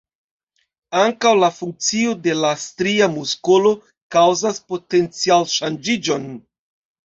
Ankaŭ la funkcio de la stria muskolo kaŭzas potencial-ŝanĝiĝon.